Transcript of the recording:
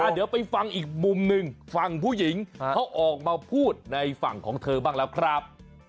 เดี๋ยวไปฟังอีกมุมหนึ่งฝั่งผู้หญิงเขาออกมาพูดในฝั่งของเธอบ้างแล้วครับ